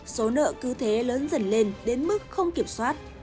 số nợ cứ thế lớn dần lên đến mức không kiểm soát